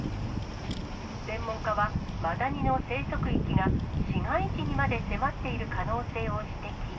専門家は、マダニの生息域が市街地にまで迫っている可能性を指摘。